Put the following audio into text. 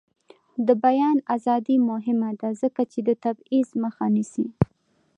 د بیان ازادي مهمه ده ځکه چې د تبعیض مخه نیسي.